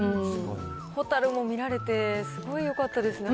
ホタルも見られて、すごいよかったですね。